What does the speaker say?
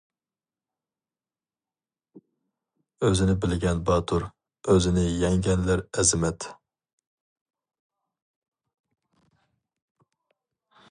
« ئۆزىنى بىلگەن باتۇر، ئۆزىنى يەڭگەنلەر ئەزىمەت».